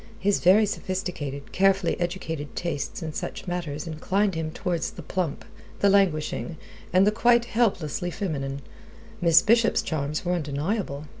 His very sophisticated, carefully educated tastes in such matters inclined him towards the plump, the languishing, and the quite helplessly feminine. Miss Bishop's charms were undeniable.